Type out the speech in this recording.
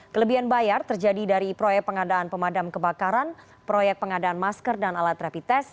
kelebihan bayar terjadi dari proyek pengadaan pemadam kebakaran proyek pengadaan masker dan alat rapid test